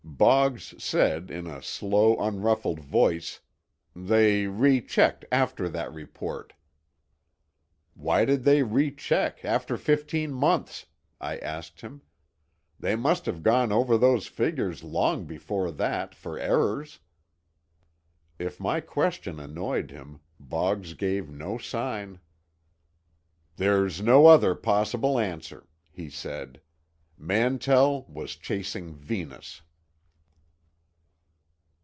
Boggs said, in a slow, unruffled voice, "They rechecked after that report." "Why did they recheck, after fifteen months?" I asked him. "'They must have gone over those figures long before that, for errors." If my question annoyed him, Boggs gave no sign. There's no other possible answer," he said. "Mantell was chasing Venus."